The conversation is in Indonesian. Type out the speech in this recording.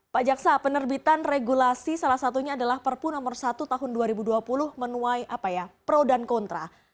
pak jaksa penerbitan regulasi salah satunya adalah perpu nomor satu tahun dua ribu dua puluh menuai pro dan kontra